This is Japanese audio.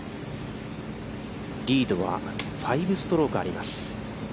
リードは５ストロークあります。